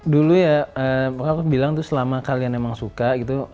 dulu ya aku bilang tuh selama kalian emang suka gitu